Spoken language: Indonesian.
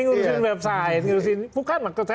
ngurusin website ngurusin bukan